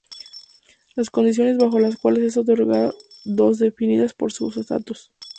La condiciones bajo las cuales es otorgada don definidas por sus estatutos.